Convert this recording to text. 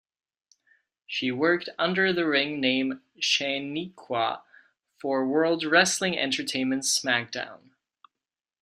She worked under the ring name Shaniqua for World Wrestling Entertainment's SmackDown!